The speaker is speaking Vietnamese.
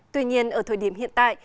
tuy nhiên ở thời điểm hiện tại